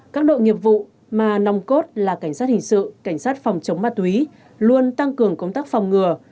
các đội nghiệp vụ mà nòng cốt là cảnh sát hình sự cảnh sát phòng chống ma túy luôn tăng cường công tác phòng ngừa